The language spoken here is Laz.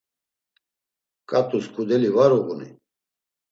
Ǩat̆us ǩudeli var uğuni?